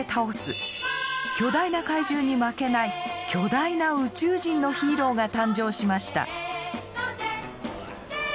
巨大な怪獣に負けない巨大な宇宙人のヒーローが誕生しました。